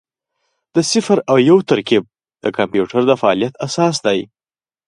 د صفر او یو ترکیب د کمپیوټر د فعالیت اساس دی.